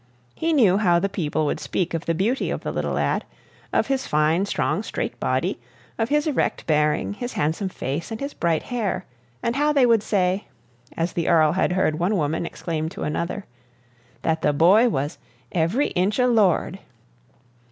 He knew how the people would speak of the beauty of the little lad; of his fine, strong, straight body; of his erect bearing, his handsome face, and his bright hair, and how they would say (as the Earl had heard one woman exclaim to another) that the boy was "every inch a lord."